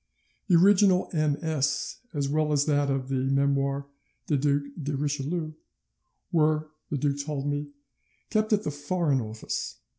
The original MS., as well as that of the Memoires du Duc de Richelieu, were, the duke told me, kept at the Foreign Office.